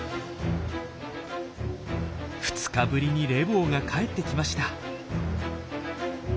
２日ぶりにレボーが帰ってきました。